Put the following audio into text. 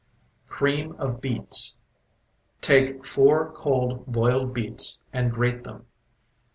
CREAM OF BEETS Take four cold, boiled beets and grate them.